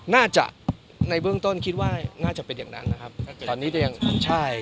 น่าจะในเบื้องต้นคิดว่าน่าจะเป็นอย่างนั้นตอนนี้อย่างช่าย